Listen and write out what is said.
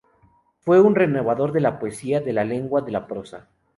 Fue un renovador de la poesía, de la lengua, de la prosa.